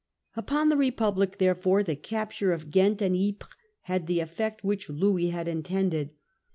Upon the Republic therefore the capture of Ghent and Ypres had the effect which Louis had intended.